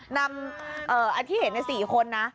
นำอาทิเหตุใน๔คนนะ